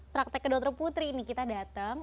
praktek ke dokter putri ini kita datang